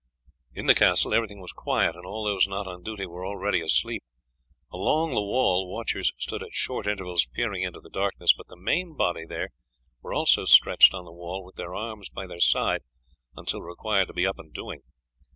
In the castle everything was quiet, and all those not on duty were already asleep. Along the wall watchers stood at short intervals peering into the darkness, but the main body there were also stretched on the wall with their arms by their side until required to be up and doing.